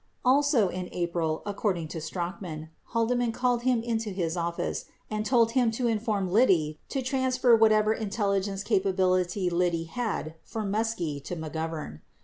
16 Also in April, according to Strachan, Haldeman called him into his office and told him to inform Liddy to transfer whatever intelligence capability Liddy had for Muskie to McGovern.